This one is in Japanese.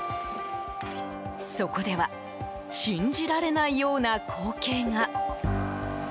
そこでは信じられないような光景が。